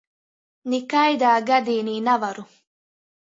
Nikaidā gadīnī navaru!